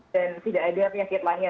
dan tidak ada penyakit lainnya